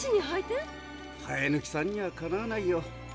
はえぬきさんにはかなわないよ。